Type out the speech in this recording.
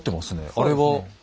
あれは。